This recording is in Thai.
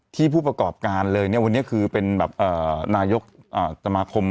ผู้ประกอบการเลยเนี่ยวันนี้คือเป็นแบบนายกสมาคม